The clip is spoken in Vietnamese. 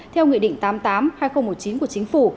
theo nghị định tám mươi tám hai nghìn một mươi chín của chính phủ